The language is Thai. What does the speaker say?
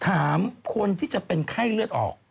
ถามคนที่จะเป็นไข้เลือดออก